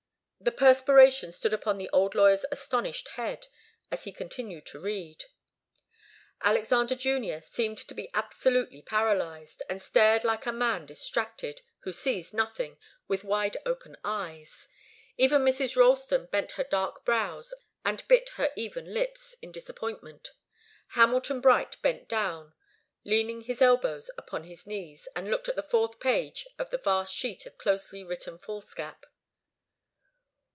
The perspiration stood upon the old lawyer's astonished head, as he continued to read. Alexander Junior seemed to be absolutely paralyzed, and stared like a man distracted, who sees nothing, with wide open eyes. Even Mrs. Ralston bent her dark brows, and bit her even lips, in disappointment. Hamilton Bright bent down, leaning his elbows upon his knees, and looked at the fourth page of the vast sheet of closely written foolscap.